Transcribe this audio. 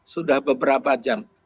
sudah beberapa jam